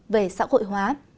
về xã hội hóa